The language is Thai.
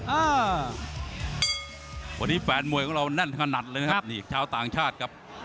อ่าวันนี้แฟนมวยของเราแน่นขนาดเลยนะครับนี่ชาวต่างชาติครับ